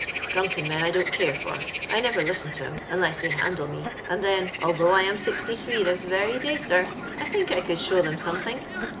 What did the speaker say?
Drunken men I don't care for; I never listen to 'em, unless they handle me, and then, al though I am sixty three this very day, sir, I think I could show them something.